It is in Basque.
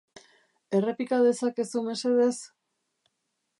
Errepika dezakezu, mesedez?